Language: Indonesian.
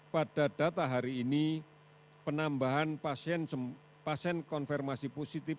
pada data hari ini penambahan pasien konfirmasi positif